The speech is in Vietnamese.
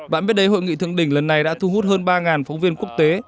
bạn biết đấy hội nghị thượng đỉnh lần này đã thu hút hơn ba phóng viên quốc tế